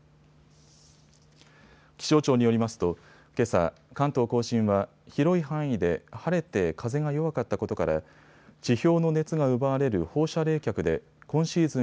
気象庁によりますとけさ関東甲信は広い範囲で晴れて風が弱かったことから地表の熱が奪われる放射冷却で今シーズン